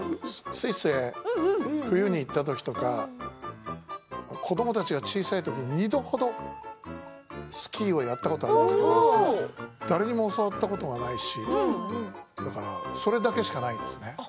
スイスへ冬に行ったときとか子どもたちが小さいときに２度ほどスキーをやったことがあるんですけど誰にも教わったことはないしだから、それだけしかないですね。